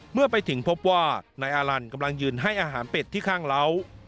เมื่อไปถึงพบว่านายอาลันกำลังยืนให้อาหารเป็ดที่ข้างเล้า